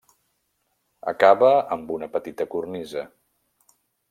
Acaba amb una petita cornisa.